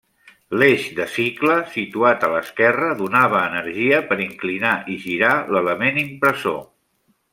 L'Eix de Cicle, situat a l'esquerra, donava energia per inclinar i girar l'element impressor.